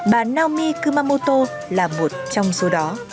bà naomi kumamoto là một trong số đó